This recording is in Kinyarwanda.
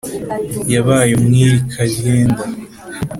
yabaye umwiri karyenda.